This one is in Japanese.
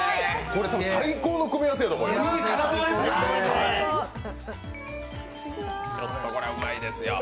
これたぶん、最高の組み合わせだと思いますよ。